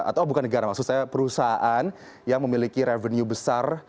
atau bukan negara maksud saya perusahaan yang memiliki revenue besar